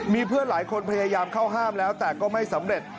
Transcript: มีเพื่อนหลายคนพยายามเข้าห้ามแล้วแต่ก็ไม่สำเร็จ